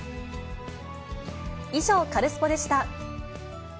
以上、カルスポっ！でした。